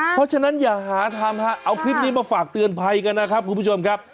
เพราะฉะนั้นอย่าหาทำฮะเอาคลิปนี้มาฝากเตือนภัยกันนะครับคุณผู้ชมครับ